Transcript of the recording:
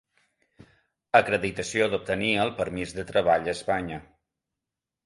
Acreditació d'obtenir el permís de treball a Espanya.